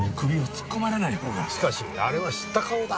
しかしあれは知った顔だ。